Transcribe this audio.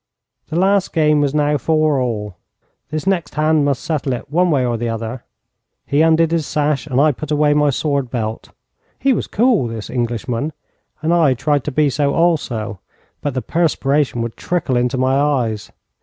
The last game was now four all. This next hand must settle it one way or the other. He undid his sash, and I put away my sword belt. He was cool, this Englishman, and I tried to be so also, but the perspiration would trickle into my eyes.